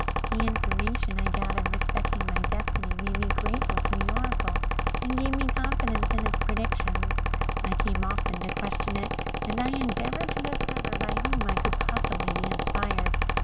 The information I gathered respecting my destiny made me grateful to the Oracle, and gave me confidence in its predictions. I came often to question it, and I endeavoured to discover by whom it could possibly be inspired.